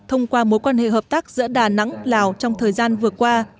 thông qua mối quan hệ hợp tác giữa đà nẵng lào trong thời gian vừa qua